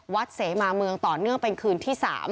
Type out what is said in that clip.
เสมาเมืองต่อเนื่องเป็นคืนที่๓